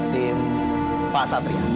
tim pak satria